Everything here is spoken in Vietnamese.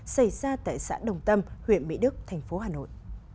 xảy ra tại xã đồng tâm huyện mỹ đức thành phố hà nội